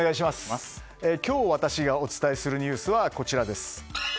今日私がお伝えするニュースはこちらです。